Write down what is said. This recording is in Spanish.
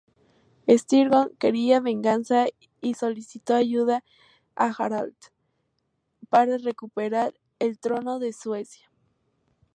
Styrbjörn quería venganza y solicitó ayuda a Harald para recuperar el trono de Suecia.